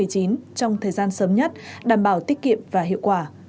trong thời gian sớm nhất đảm bảo tiết kiệm và hiệu quả